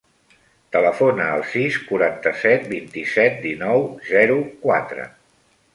Telefona al sis, quaranta-set, vint-i-set, dinou, zero, quatre.